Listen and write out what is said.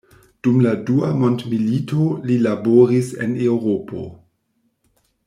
Dum la dua mondmilito li laboris en Eŭropo.